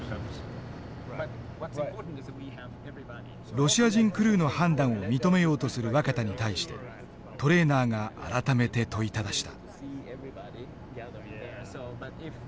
ロシア人クルーの判断を認めようとする若田に対してトレーナーが改めて問いただした。